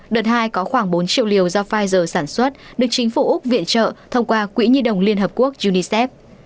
đợt hai có khoảng bốn triệu liều do pfizer sản xuất được chính phủ úc viện trợ thông qua quỹ nhi đồng liên hợp quốc unicef